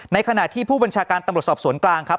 ขณะที่ผู้บัญชาการตำรวจสอบสวนกลางครับ